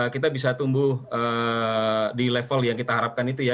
kita bisa tumbuh di level yang kita harapkan itu ya